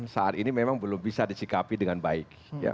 saat ini memang belum bisa disikapi dengan baik